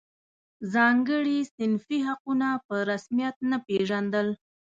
ځانګړي صنفي حقونه په رسمیت نه پېژندل.